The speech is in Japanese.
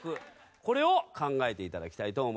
これを考えて頂きたいと思います。